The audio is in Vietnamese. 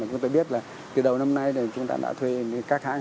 chúng ta biết là từ đầu năm nay chúng ta đã thuê các hãng không